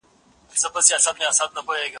د مخدره توکو زیانونه څه دي؟